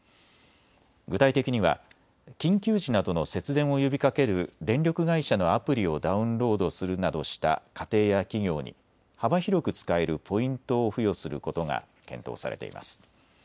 具体的には緊急時などの節電を呼びかける電力会社のアプリをダウンロードするなどした家庭や企業に幅広く使えるポイントを付与することが検討されています。